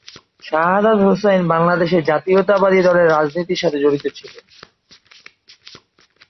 শাহাদাত হোসাইন বাংলাদেশ জাতীয়তাবাদী দলের রাজনীতির সাথে জড়িত ছিলেন।